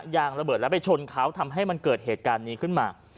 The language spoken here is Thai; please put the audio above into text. ยางระเบิดแล้วไปชนเขาทำให้มันเกิดเหตุการณ์นี้ขึ้นมา